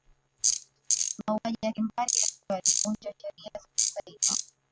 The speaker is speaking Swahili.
mauaji ya kimbari yalikuwa yalivunja sheria za kimataifa